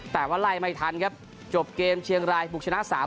แต่ว่าไล่ไม่ทันครับจบเกมเชียงรายบุกชนะ๓๐